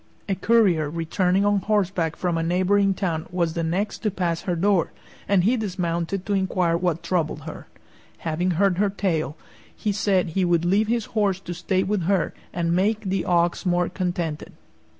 A courier returning on horseback from a neighboring town was the next to pass her door, and he dismounted to inquire what troubled her. Having heard her tale, he said he would leave his horse to stay with her, and make the ox more contented.